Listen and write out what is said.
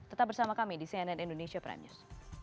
tetap bersama kami di cnn indonesia prime news